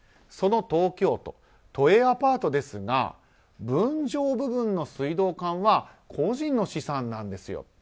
その東京都、都営アパートですが分譲部分の水道管は個人の資産なんですよ。